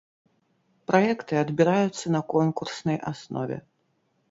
Праекты адбіраюцца на конкурснай аснове.